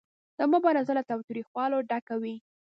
دا مبارزه له تاوتریخوالي ډکه وي